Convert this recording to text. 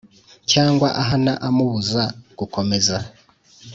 Cyangwa ahana amubuza gukomeza